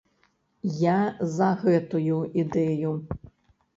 Я за гэтую ідэю.